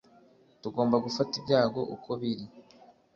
tugomba gufata ibyago uko biri